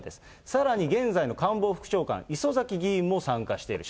さらに現在の官房副長官、磯崎議員も参加している。